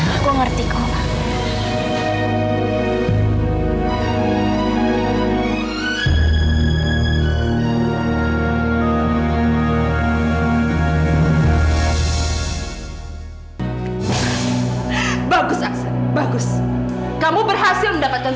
aku ngerti kak